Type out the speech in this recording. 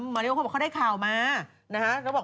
มาริโอบอกว่าเขาได้ข่าวมานะฮะ